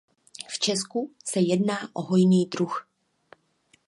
V Česku se jedná o hojný druh.